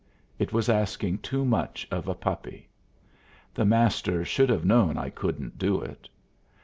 It was asking too much of a puppy. The Master should have known I couldn't do it.